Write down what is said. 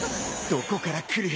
どこから来る！？